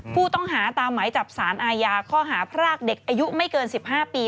ผู้ต้องหาตามหมายจับสารอาญาข้อหาพรากเด็กอายุไม่เกิน๑๕ปี